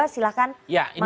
silahkan mas burhanuddin